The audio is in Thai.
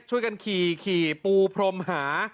ช่วยกันขี่ปูพรมหา